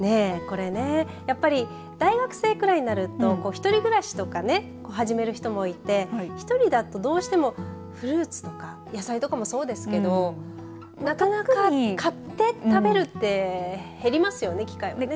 やっぱり大学生ぐらいになると１人暮らしとかね始める人もいて１人だとどうしてもフルーツとか野菜もそうですけどなかなか買って食べるって減りますよね、機会がね。